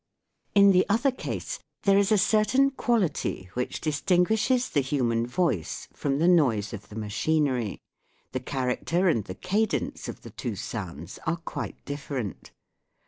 In the other case, there is a certain quality which distinguishes the human voice from the noise of the machinery ; the character and the cadence of the two sounds are quite different.